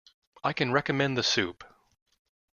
I can recommend the soup.